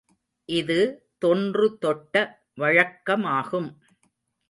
இது தொன்று தொட்ட வழக்கமாகும்.